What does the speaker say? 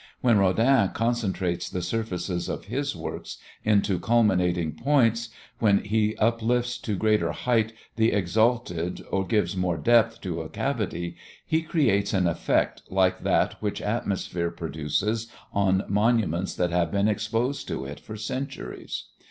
When Rodin concentrates the surfaces of his works into culminating points, when he uplifts to greater height the exalted or gives more depth to a cavity, he creates an effect like that which atmosphere produces on monuments that have been exposed to it for centuries.